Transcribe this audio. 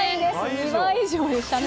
２倍以上でしたね。